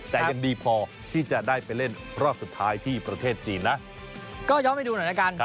แต่ยังดีพอที่จะได้ไปเล่นรอบสุดท้ายที่ประเทศจีนนะก็ย้อนไปดูหน่อยละกัน